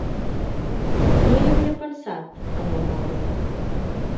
No hi havia pensat, en el mòbil.